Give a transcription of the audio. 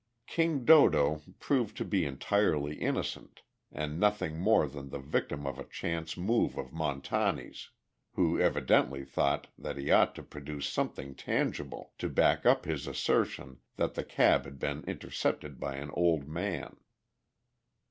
"King Dodo" proved to be entirely innocent, and nothing more than the victim of a chance move of Montani's, who evidently thought that he ought to produce something tangible to back up his assertion that the cab had been intercepted by an old man.